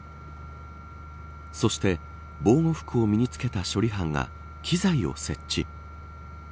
そして防護服を身に付けた処理班が機材を設置。